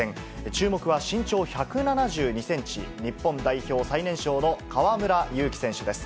注目は身長１７２センチ、日本代表最年少の河村勇輝選手です。